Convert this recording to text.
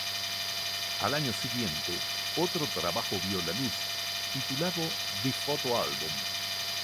Al año siguiente, otro trabajo vio la luz, titulado "The Photo Album".